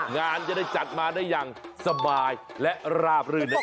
งานจะได้จัดมาได้อย่างสบายและราบรื่นนั่นเอง